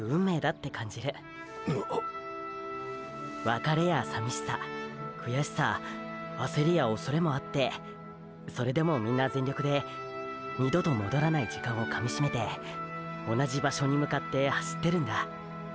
別れやさみしさ悔しさ焦りや畏れもあってそれでもみんな全力で二度と戻らない時間をかみしめて同じ場所に向かって走ってるんだ。